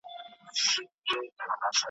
ځم د جنون په زولنو کي به لیلا ووینم .